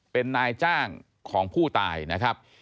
เป็นนายจ้างของผู้ตายนะครับ